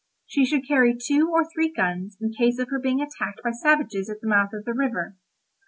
She should carry two or three guns in case of her being attacked by savages at the mouth of the river.